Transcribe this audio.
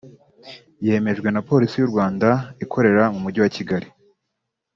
yemejwe na Polisi y’u Rwanda ikorera mu mujyi wa Kigali